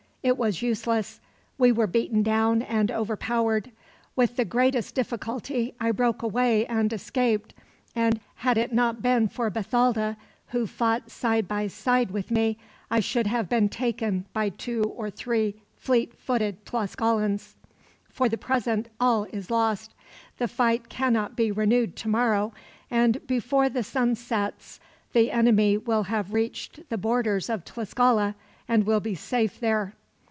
It was useless. We were beaten down and overpowered. With the greatest difficulty I broke away and escaped; and had it not been for Bathalda, who fought side by side with me, I should have been taken by two or three fleet footed Tlascalans. "For the present, all is lost. The fight cannot be renewed tomorrow, and before the sun sets the enemy will have reached the borders of Tlascala, and will be safe there."